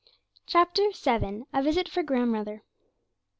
CHAPTER VII. A VISIT FROM GRANDMOTHER.